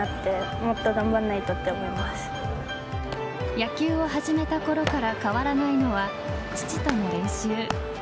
野球を始めたころから変わらないのは父との練習。